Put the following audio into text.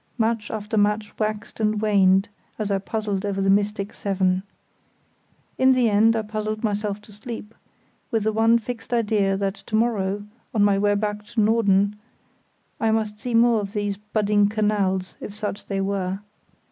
Match after match waxed and waned as I puzzled over the mystic seven. In the end I puzzled myself to sleep, with the one fixed idea that to morrow, on my way back to Norden, I must see more of these budding canals, if such they were.